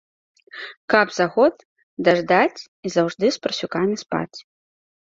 Каб за год даждаць і заўжды з парсюкамі спаць.